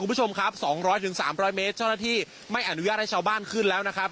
คุณผู้ชมครับ๒๐๐๓๐๐เมตรเจ้าหน้าที่ไม่อนุญาตให้ชาวบ้านขึ้นแล้วนะครับ